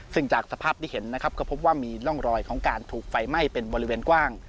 ซึ่งจากสภาพที่เห็นนะครับก็พบว่ามีร่องรอยของการถูกไฟไหม้เป็นบริเวณกว้าง